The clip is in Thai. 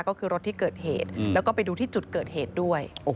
ก็คือรถที่เกิดเหตุแล้วก็ไปดูที่จุดเกิดเหตุด้วย